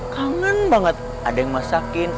kangen banget ada yang masakin